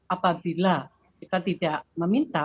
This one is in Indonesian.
apabila kita tidak meminta